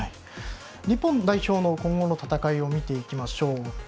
日本代表の今後の戦いを見ていきます。